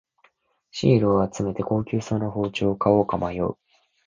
シールを集めて高級そうな包丁を買おうか迷う